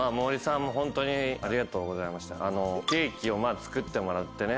ケーキを作ってもらってね